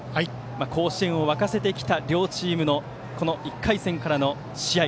甲子園を沸かせてきた両チームのこの１回戦からの試合。